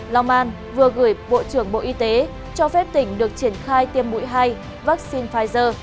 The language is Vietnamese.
long an vừa gửi bộ trưởng bộ y tế cho phép tỉnh được triển khai tiêm mũi hai vaccine pfizer